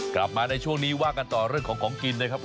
กลับมาในช่วงนี้ว่ากันต่อเรื่องของของกินนะครับ